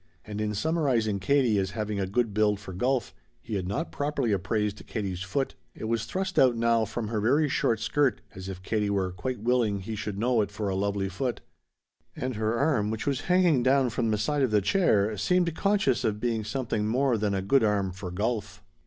And in summarizing Katie as having a good build for golf he had not properly appraised Katie's foot. It was thrust out now from her very short skirt as if Katie were quite willing he should know it for a lovely foot. And her arm, which was hanging down from the side of the chair, seemed conscious of being something more than a good arm for golf.